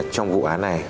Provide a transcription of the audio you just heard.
trong vụ án này